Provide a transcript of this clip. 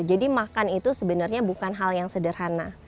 jadi makan itu sebenarnya bukan hal yang sederhana